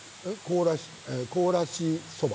凍らしそば。